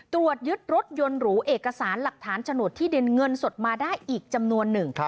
ตรวจยึดรถยนต์หรูเอกสารหลักฐานโฉนดที่ดินเงินสดมาได้อีกจำนวนหนึ่ง